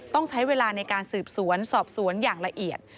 ต้องใช้เวลาในการสืบสวนสอบสวนอย่างละเอียด